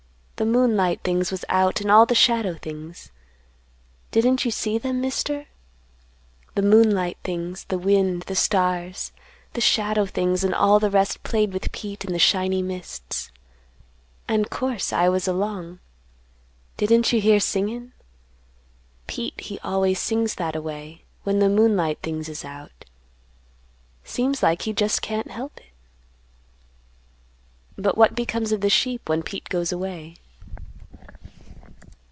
The moonlight things was out, and all the shadow things; didn't you see them, Mister? The moonlight things, the wind, the stars, the shadow things, and all the rest played with Pete in the shiny mists, and, course, I was along. Didn't you hear singin'? Pete he always sings that a way, when the moonlight things is out. Seems like he just can't help it." "But what becomes of the sheep when Pete goes away?"